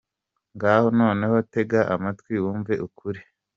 Ngaho noneho tega amatwi wumve ukuri.